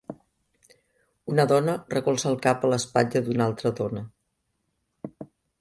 Una dona recolza el cap a l'espatlla d'una altra dona.